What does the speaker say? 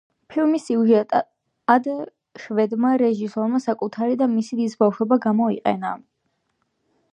ფილმის სიუჟეტად შვედმა რეჟისორმა საკუთარი და მისი დის ბავშვობა გამოიყენა.